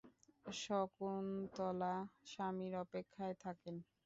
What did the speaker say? শকুন্তলা স্বামীর অপেক্ষায় থাকেন।